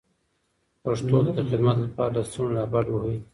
پښتو ته د خدمت لپاره لستوڼي را بډ وهئ.